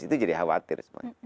itu jadi khawatir